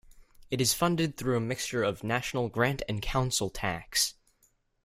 It is funded through a mixture of national grant and council tax.